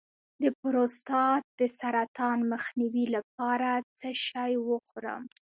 د پروستات د سرطان مخنیوي لپاره څه شی وخورم؟